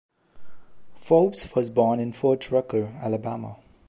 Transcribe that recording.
Forbes was born in Fort Rucker, Alabama.